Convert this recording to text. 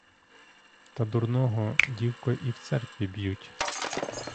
Та дурного, дівко, і в церкві б'ють.